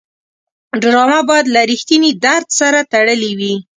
ډرامه باید له رښتینې درد سره تړلې وي